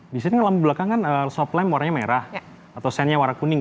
biasanya lampu di belakang kan sop lem warnanya merah atau sennya warna kuning